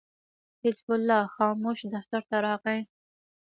حزب الله خاموش دفتر ته راغی.